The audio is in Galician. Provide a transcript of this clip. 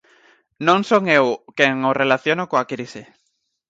Non son eu quen o relaciona coa crise.